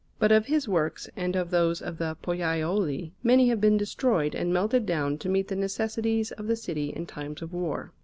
But of his works and of those of the Pollaiuoli many have been destroyed and melted down to meet the necessities of the city in times of war.